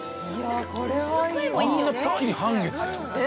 ◆あんな、くっきり半月だよ。